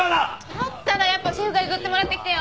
だったらやっぱシェフが譲ってもらってきてよ。